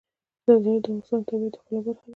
زردالو د افغانستان د طبیعت د ښکلا برخه ده.